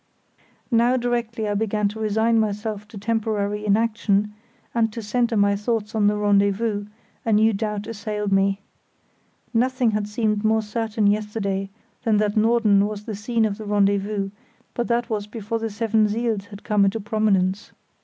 Now directly I began to resign myself to temporary inaction, and to centre my thoughts on the rendezvous, a new doubt assailed me. Nothing had seemed more certain yesterday than that Norden was the scene of the rendezvous, but that was before the seven siels had come into prominence.